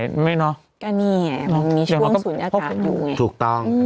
งั้นเนี่ยคิดว่ามันมีช่วงศูนย์อากาศอยู่ไง